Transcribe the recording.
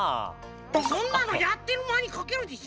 そんなのやってるまにかけるでしょ。